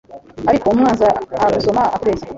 ariko umwanzi agusoma akubeshya